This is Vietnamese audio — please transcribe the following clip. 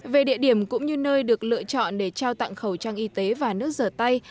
về địa điểm cũng như nơi được lựa chọn để trao tặng khẩu trang y tế và nước rửa tay